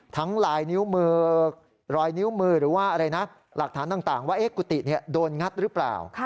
ลายนิ้วมือรอยนิ้วมือหรือว่าอะไรนะหลักฐานต่างว่ากุฏิโดนงัดหรือเปล่า